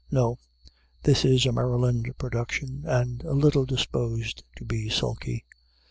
No; this is a Maryland production, and a little disposed to be sulky.